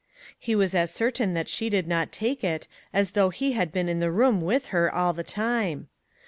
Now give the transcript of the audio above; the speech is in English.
He was as certain that she did not take it as though he had been in the room with her all the time.